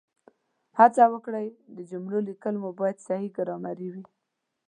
هڅه وکړئ د جملو لیکل مو باید صحیح ګرامري وي